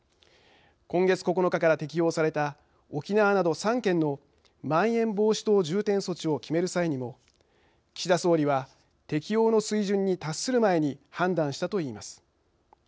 今月９日から適用された沖縄など３県のまん延防止等重点措置を決める際にも岸田総理は適用の水準に達する前に判断したといいます。